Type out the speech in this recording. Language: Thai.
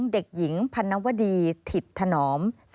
เด็กหญิงพันนวดีถิตถนอม